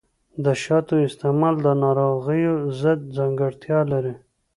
د شاتو استعمال د ناروغیو ضد ځانګړتیا لري.